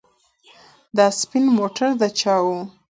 دا سپین موټر د چا و؟